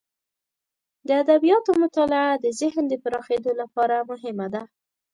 د ادبیاتو مطالعه د ذهن د پراخیدو لپاره مهمه ده.